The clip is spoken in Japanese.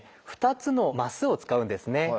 ２つのマスを使うんですね。